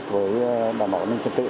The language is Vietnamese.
với bảo vệ an ninh trật tự